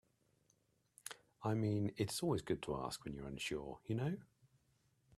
I mean, it is always good to ask when you are unsure, you know?